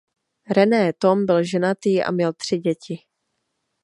René Thom byl ženatý a měl tři děti.